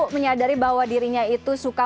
menyadari bahwa dirinya itu suka